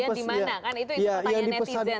itu pertanyaan netizen sebenarnya